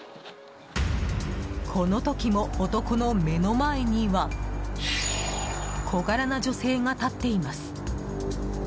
この時も男の目の前には小柄な女性が立っています。